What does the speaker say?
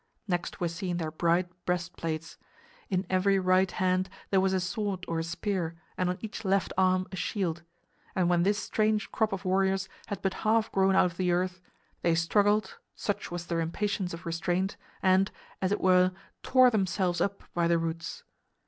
Next were seen their bright breastplates; in every right hand there was a sword or a spear and on each left arm a shield; and when this strange crop of warriors had but half grown out of the earth, they struggled such was their impatience of restraint and, as it were, tore themselves up by the roots.